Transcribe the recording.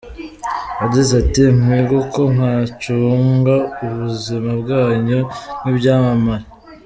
Yagize ati “Mwige uko mwacunga ubuzima bwanyu nk’ibyamamare.